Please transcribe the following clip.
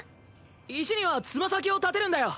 石にはつま先を立てるんだよ。